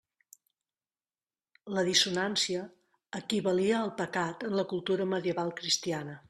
La dissonància equivalia al pecat en la cultura medieval cristiana.